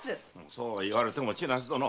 そう言われても千奈津殿。